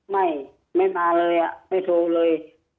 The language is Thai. ไม่ไม่มาเลยไม่โทรเลย